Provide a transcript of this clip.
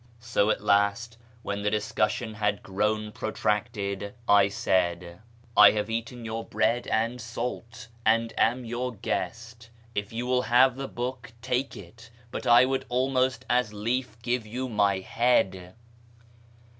So at last, when the discussion had grown protracted, I said —" I have eaten your bread and salt, and am your guest. If ^'< >u will liave the book, take it ; but I would almost as lief ,;ive you my head."